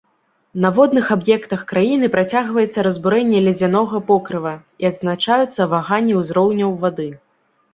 На водных аб'ектах краіны працягваецца разбурэнне ледзянога покрыва і адзначаюцца ваганні ўзроўняў вады.